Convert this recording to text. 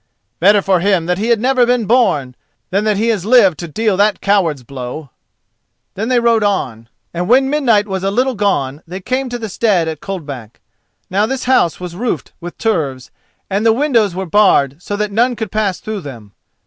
Better for him that he had never been born than that he has lived to deal that coward's blow!" Then they rode on, and when midnight was a little while gone they came to the stead at Coldback. Now this house was roofed with turves, and the windows were barred so that none could pass through them.